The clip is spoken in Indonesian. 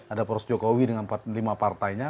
ada poros jokowi dengan lima partainya